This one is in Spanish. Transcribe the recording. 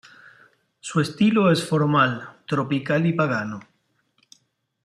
Su estilo es formal, tropical y pagano.